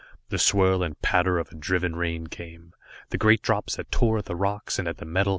The swirl and patter of driven rain came great drops that tore at the rocks, and at the metal.